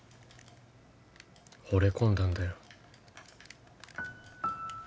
ほれ込んだんだよ